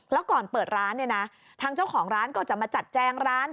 แล้วก่อนเปิดร้านเนี่ยนะทางเจ้าของร้านก็จะมาจัดแจงร้าน